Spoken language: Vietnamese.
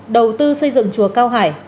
đầu tư xây dựng chùa cao hải